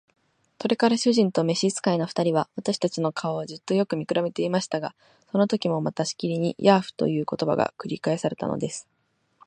それから主人と召使の二人は、私たちの顔をじっとよく見くらべていましたが、そのときもまたしきりに「ヤーフ」という言葉が繰り返されたのです。